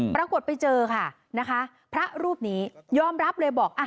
ปรากฏไปเจอค่ะนะคะพระรูปนี้ยอมรับเลยบอก